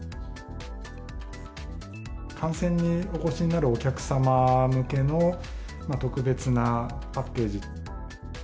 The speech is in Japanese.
観戦にお越しになるお客様向けの特別なパッケージ。